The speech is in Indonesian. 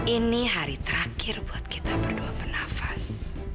ini hari terakhir buat kita berdua bernafas